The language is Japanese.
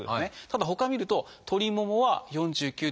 ただほかを見ると鳥ももは４９．１ｍｇ。